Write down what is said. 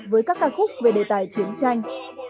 với các ca khúc về đề tài chiến tranh